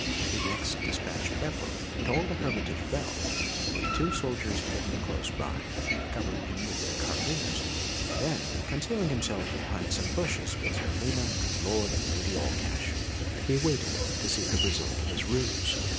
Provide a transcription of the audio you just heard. He next dispatched Beppo to toll the hermitage bell, with two soldiers hidden close by, covering him with their carbines; and then, concealing himself behind some bushes with Zerlina and Lord and Lady Allcash, he waited to see the result of his ruse.